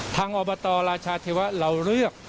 อบตราชาเทวะเราเลือก